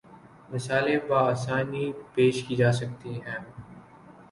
مثالیں باآسانی پیش کی جا سکتی ہیں